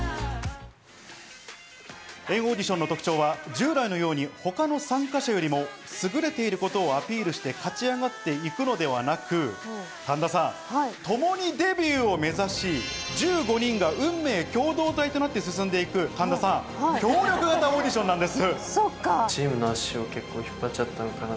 ＆ＡＵＤＩＴＩＯＮの特徴は従来に様に他の参加者よりも優れていることをアピールして勝ち上がっていくのではなく、ともにデビューを目指し、１５人が運命共同体となって進んでいく協力型オーディションなんです。